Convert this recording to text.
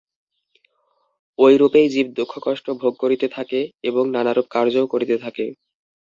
ঐরূপেই জীব দুঃখকষ্ট ভোগ করিতে থাকে এবং নানারূপ কার্যও করিতে থাকে।